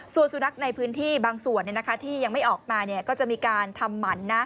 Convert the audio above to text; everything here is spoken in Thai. ส่วนสุนัขในพื้นที่บางส่วนที่ยังไม่ออกมาก็จะมีการทำหมันนะ